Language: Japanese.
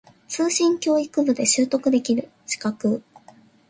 通信教育部で取得できる資格